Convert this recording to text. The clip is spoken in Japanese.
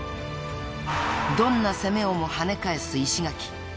［どんな攻めをもはね返す石垣］